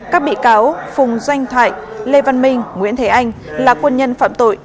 các bị cáo phùng doanh thoại lê văn minh nguyễn thế anh là quân nhân phạm tội